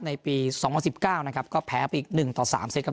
ในปีสองสิบเก้านะครับก็แพ้ไปอีกหนึ่งต่อสามเซตกับ